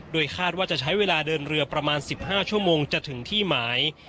คาดว่าจะใช้เวลาเดินเรือประมาณ๑๕ชั่วโมงจะถึงที่หมาย